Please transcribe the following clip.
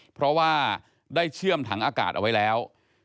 เพราะว่าได้เชื่อมถังอากาศเอาไว้แล้ว